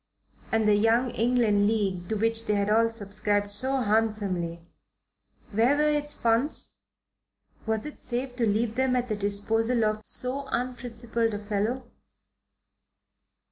And the Young England League to which they had all subscribed so handsomely where were its funds? Was it safe to leave them at the disposal of so unprincipled a fellow?